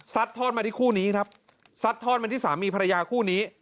ทอดมาที่คู่นี้ครับซัดทอดมาที่สามีภรรยาคู่นี้